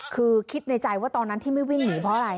คือคิดในใจว่าตอนนั้นที่ไม่วิ่งหนีเพราะอะไร